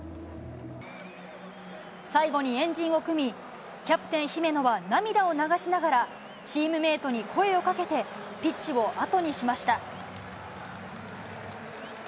最後に円陣を組み、キャプテン姫野は涙を流しながら、チームメートに声をかけて、ピッチを後にしました。